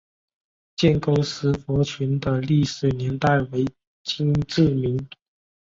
建沟石佛群的历史年代为金至明。